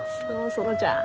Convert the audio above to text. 園ちゃん。